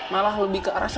malah lebih ke arah seger ya